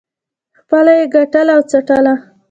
خپله یې ګټله او څټله.